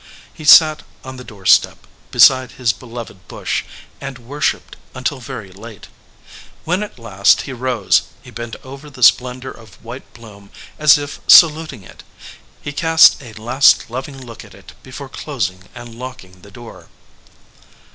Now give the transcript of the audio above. He sat on the door step, beside his beloved bush, and worshiped until very late. When at last he rose, he bent over the splendor of white bloom, as if saluting it. He cast a last loving look at it before closing and locking the door.